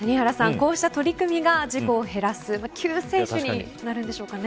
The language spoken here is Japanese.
こうした取り組みが事故を減らす救世主になるんでしょうかね。